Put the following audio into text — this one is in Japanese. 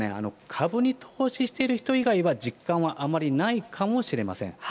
株に投資している人以外は、実感はあまりないかもしれません。